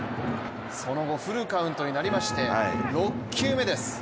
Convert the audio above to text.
その後フルカウントになりまして６球目です。